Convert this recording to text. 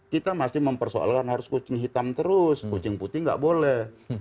kita masih mempersoalkan harus kucing hitam terus kucing putih nggak boleh